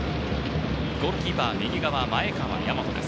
ゴールキーパー右側、前川大和です。